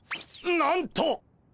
なんと！